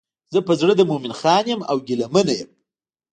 زه په زړه د مومن خان یم او ګیله منه یم.